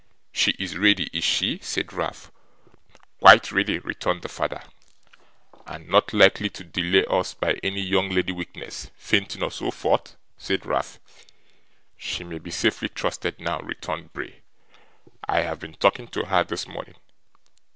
'She is ready, is she?' said Ralph. 'Quite ready,' returned the father. 'And not likely to delay us by any young lady weaknesses fainting, or so forth?' said Ralph. 'She may be safely trusted now,' returned Bray. 'I have been talking to her this morning.